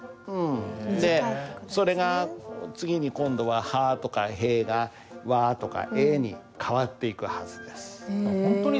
でそれが次に今度は「は」とか「へ」が「わ」とか「え」に変わっていくはずです。